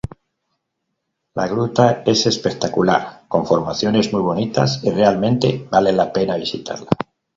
La gruta es espectacular, con formaciones muy bonitas, y realmente vale la pena visitarla.